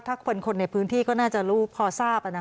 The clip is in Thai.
ถ้าคนในพื้นที่ก็น่าจะรู้พอทราบ